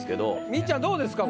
みっちゃんどうですか？